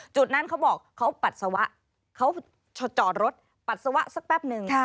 จุดนั้นเขาบอกเขาปัสสาวะเขาจอดรถปัสสาวะสักแป๊บนึง